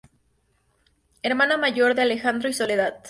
Hermana mayor de Alejandro y Soledad.